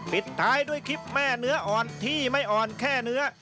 ปิดท้ายด้วยคลิปแม่เนื้ออ่อนที่ไม่อ่อนแค่เนื้อ